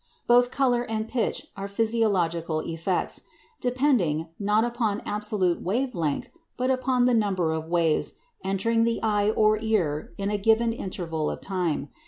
Both colour and pitch are physiological effects, depending, not upon absolute wave length, but upon the number of waves entering the eye or ear in a given interval of time.